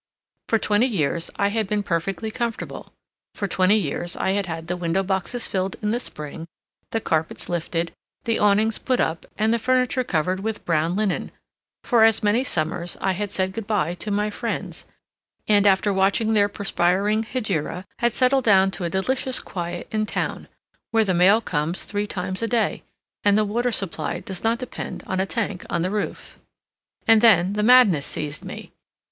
For twenty years I had been perfectly comfortable; for twenty years I had had the window boxes filled in the spring, the carpets lifted, the awnings put up and the furniture covered with brown linen; for as many summers I had said good by to my friends, and, after watching their perspiring hegira, had settled down to a delicious quiet in town, where the mail comes three times a day, and the water supply does not depend on a tank on the roof. And then—the madness seized me.